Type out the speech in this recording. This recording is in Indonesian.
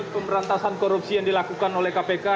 pemberantasan korupsi yang dilakukan oleh kpk